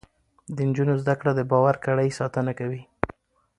د نجونو زده کړه د باور کړۍ ساتنه کوي.